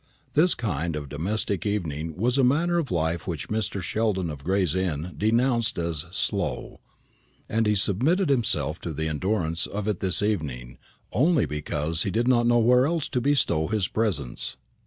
This kind of domestic evening was a manner of life which Mr. Sheldon of Gray's Inn denounced as "slow;" and he submitted himself to the endurance of it this evening only because he did not know where else to bestow his presence.